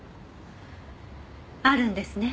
あるんですね？